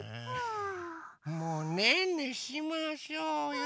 もうねんねしましょうよ。